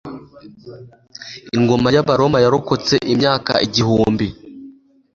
Ingoma y'Abaroma yarokotse imyaka igihumbi.